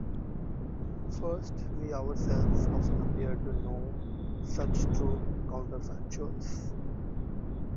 First, we ourselves often appear to know such true counterfactuals.